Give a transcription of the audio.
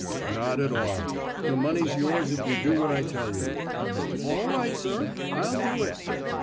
"Not at all. The money's yours if you do what I tell you." "All right, sir? I'll do it."